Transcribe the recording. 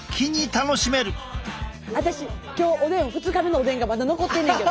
あたし今日おでん２日目のおでんがまだ残ってんねんけど。